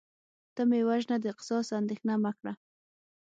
ته مې وژنه د قصاص اندیښنه مه کړه